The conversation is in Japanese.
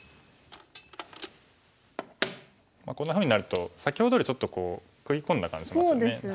こんなふうになると先ほどよりちょっと食い込んだ感じしますよね。